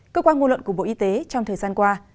cơ quan ngôn luận của bộ y tế trong thời gian qua